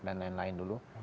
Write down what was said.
dan lain lain dulu